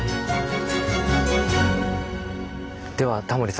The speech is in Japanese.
ではタモリさん